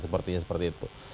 sepertinya seperti itu